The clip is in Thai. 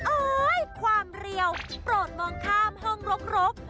ความเร็วโปรดมองข้ามห้องรก